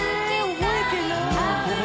覚えてない。